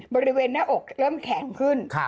บริเวณหน้าอกเริ่มแข็งขึ้น